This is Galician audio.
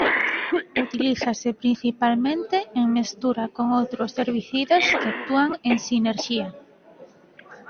Utilízase principalmente en mestura con outros herbicidas que actúan en sinerxía.